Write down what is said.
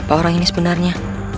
siapa orang ini sebenarnya